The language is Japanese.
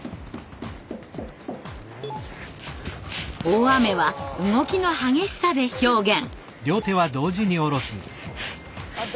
大雨は動きの激しさで表現。